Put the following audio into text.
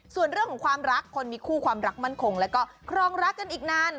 ส่วนเรื่องของความรักคนมีคู่ความรักมั่นคงแล้วก็ครองรักกันอีกนาน